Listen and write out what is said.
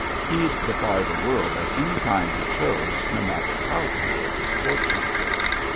He'd defy the world at any time he chose no matter how poor his fortunes.